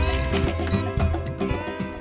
มคตอนนี้